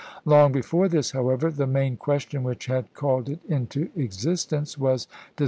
Long before this, however, the main question which had called it into existence was de 1864.